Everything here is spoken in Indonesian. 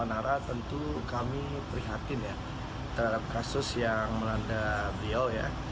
bpn mustafa nahrawar tentu kami prihatin ya terhadap kasus yang melanda beliau ya